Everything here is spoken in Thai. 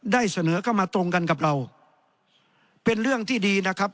ได้เสนอเข้ามาตรงกันกับเราเป็นเรื่องที่ดีนะครับ